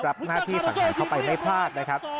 รับหน้าที่สังหารเข้าไปไม่พลาดนะครับ